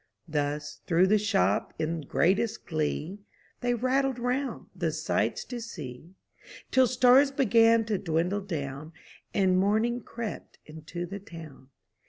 Thus, through the shop in greatest glee, They rattled * round, the sights to see. Till stars began to dwindle down, And morning crept into the town.